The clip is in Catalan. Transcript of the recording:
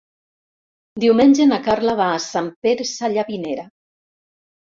Diumenge na Carla va a Sant Pere Sallavinera.